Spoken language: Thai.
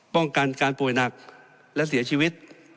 ป้องกันการป่วยหนักและเสียชีวิต